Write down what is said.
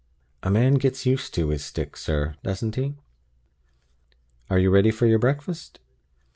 "A man gets used to his stick, sir; doesn't he? Are you ready for your breakfast?"